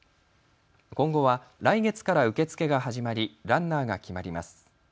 今後は来月から受け付けが始まりランナーが決まります。